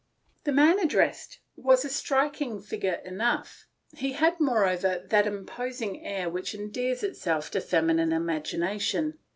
The man addressed was a striking figure enough ; he had moreover that imposing air which endears itself to the feminine imagina tion.